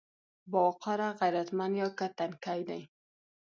باوقاره، غيرتمن يا که تنکي دي؟